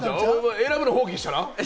選ぶの放棄したな。